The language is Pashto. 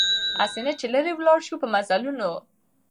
هسي نه چي لیري ولاړ سو په مزلونو